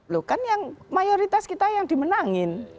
loh kan yang mayoritas kita yang dimenangin